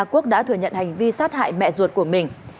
quốc đã thừa nhận hành vi sát hại mẹ ruột của mình